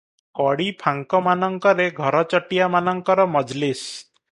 କଡ଼ି ଫାଙ୍କମାନଙ୍କରେ ଘରଚଟିଆ ମାନଙ୍କର ମଜଲିସ୍ ।